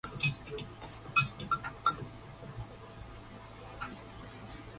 No major work of Sharan was not discovered.